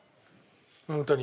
ホントに。